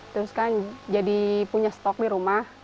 terus kan jadi punya stok di rumah